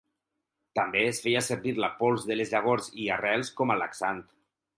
També es feia servir la pols de les llavors i arrels com a laxant.